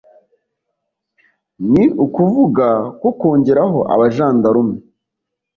ni ukuvuga ko kongeraho abajandarume